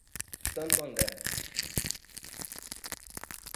Santo André